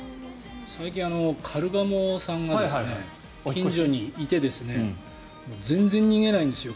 最近、カルガモさんが近所にいて全然逃げないんですよ。